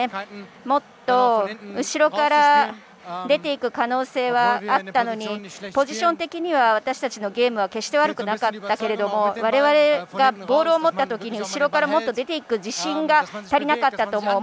もっと後ろから出ていく可能性はあったのにポジション的には私たちのゲームは決して悪くなかったけど我々がボールを持ったときに後ろからもっと出て行く自信が足りなかったと思う。